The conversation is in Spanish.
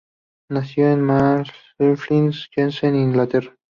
Nació en Macclesfield, Cheshire, Inglaterra.